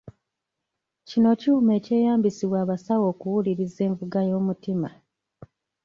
Kino kyuma ekyeyambisibwa abasawo okuwuliriza envuga y'omutima.